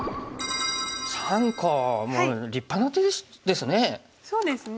もう立派な手ですね。